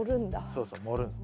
そうそう盛るの。